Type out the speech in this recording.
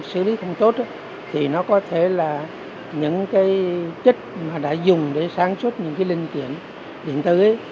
xử lý không tốt thì nó có thể là những cái chất mà đã dùng để sáng suốt những cái linh kiện điện tử ấy